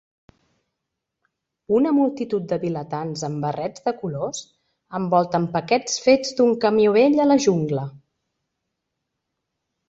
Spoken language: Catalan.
Una multitud de vilatans amb barrets de colors envolten paquets fets d'un camió vell a la jungla.